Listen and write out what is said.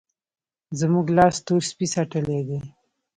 زموږ لاس تور سپي څټلی دی.